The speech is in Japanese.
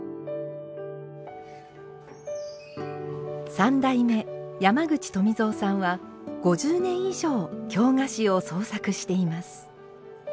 三代目山口富藏さんは５０年以上京菓子を創作しています。